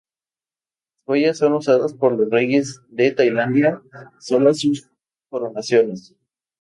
Las joyas son usadas por los reyes de Tailandia solo a sus coronaciones.